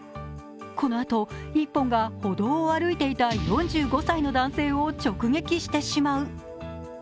このあと、１本が歩道を歩いていた４５歳の男性を直撃してしまう。